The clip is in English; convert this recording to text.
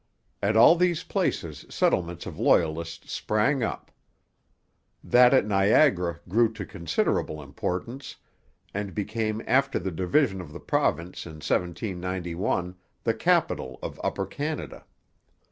At all these places settlements of Loyalists sprang up. That at Niagara grew to considerable importance, and became after the division of the province in 1791 the capital of Upper Canada.